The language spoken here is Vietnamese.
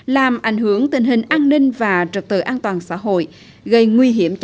làm ảnh hưởng tình hình an ninh và trật tự an toàn xã hội gây nguy hiểm